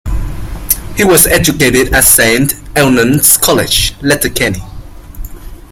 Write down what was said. He was educated at Saint Eunan's College, Letterkenny.